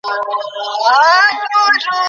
এই ব্যাটা, code red বলেছি না?